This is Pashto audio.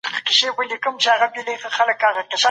حکومت د بهرنیو پانګونو د جذب پر وړاندي بې تفاوته نه پاته کیږي.